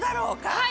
はい！